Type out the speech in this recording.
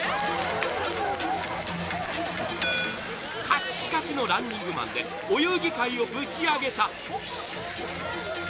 カッチカチのランニングマンでお遊戯会をぶちアゲた！